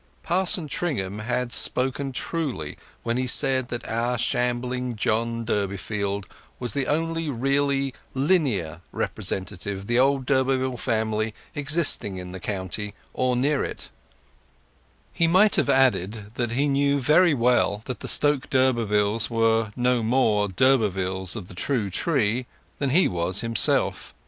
Parson Tringham had spoken truly when he said that our shambling John Durbeyfield was the only really lineal representative of the old d'Urberville family existing in the county, or near it; he might have added, what he knew very well, that the Stoke d'Urbervilles were no more d'Urbervilles of the true tree then he was himself.